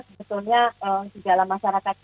sebetulnya di dalam masyarakat